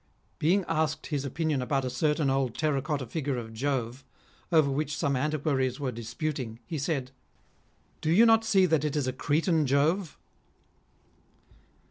Being asked his opinion about a certain old terra cotta figure of Jove, over which some antiquaries were disputing, he said :" Do you not see that it is a Cretan Jove?"